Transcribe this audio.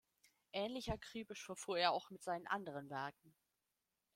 Ähnlich akribisch verfuhr er auch mit seinen anderen Werken.